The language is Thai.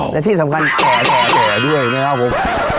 และที่สำคัญแข่แข่แข่ด้วยนะครับผม